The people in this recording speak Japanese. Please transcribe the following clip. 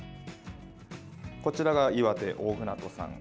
こちらが岩手・大船渡産。